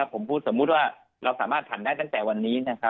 ผมพูดสมมุติว่าเราสามารถผ่านได้ตั้งแต่วันนี้